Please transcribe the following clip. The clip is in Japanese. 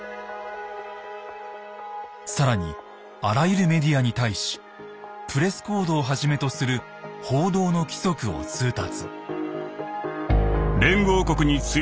更にあらゆるメディアに対し「プレス・コード」をはじめとする報道の規則を通達。